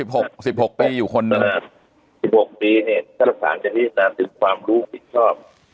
๑๖ปีเดี๋ยวที่๑๓ปีจะเรียนการถึงความรู้คิดชอบ